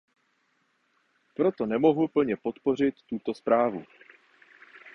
Proto nemohu plně podpořit tuto zprávu.